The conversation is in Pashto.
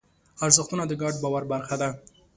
ارزښتونه د ګډ باور برخه ده.